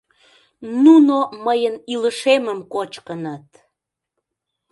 Нуно мыйын илышемым кочкыныт!..